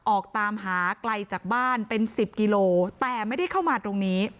ออกตามหาไกลจากบ้านเป็นสิบกิโลแต่ไม่ได้เข้ามาตรงนี้